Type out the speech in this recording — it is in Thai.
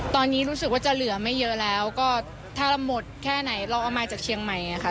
ตอนนี้รู้สึกว่าจะเหลือไม่เยอะแล้วก็ถ้าเราหมดแค่ไหนเราเอามาจากเชียงใหม่ค่ะ